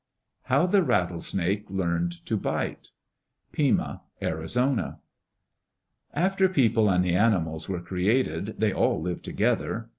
How the Rattlesnake Learned to Bite Pima (Arizona) After people and the animals were created, they all lived together.